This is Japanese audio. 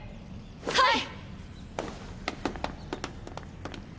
はい！